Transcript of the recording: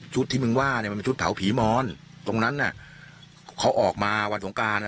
ที่มึงว่าเนี่ยมันเป็นชุดเผาผีมอนตรงนั้นน่ะเขาออกมาวันสงการ